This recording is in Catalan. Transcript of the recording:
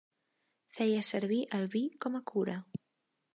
Feia servir el vi com a cura.